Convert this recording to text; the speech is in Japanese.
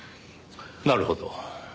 なるほど。